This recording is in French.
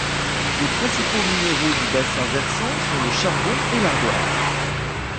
Les minéraux principaux du bassin versant sont le charbon et l'ardoise.